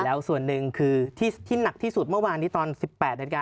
แล้วส่วนหนึ่งคือที่หนักที่สุดเมื่อวานนี้ตอน๑๘นาฬิกา